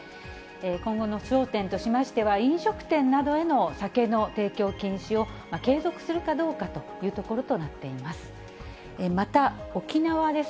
今後の焦点としましては、飲食店などへの酒の提供禁止を継続するかどうかというところとなっています。